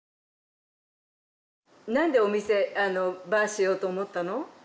何でお店バーしようと思ったの？